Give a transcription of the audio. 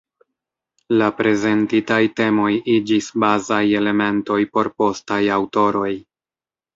La prezentitaj temoj iĝis bazaj elementoj por postaj aŭtoroj.